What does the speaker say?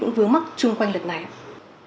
những vướng mắc chung quanh luật này ạ